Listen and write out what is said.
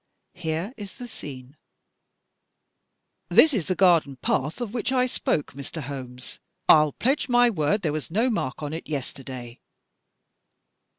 Here is the scene: " This is the garden path of which I spoke, Mr. Holmes. 1*11 pledge my word there was no mark on it yesterday."